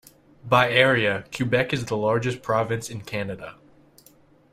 By area, Quebec is the largest province of Canada.